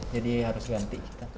jadi harus ganti kita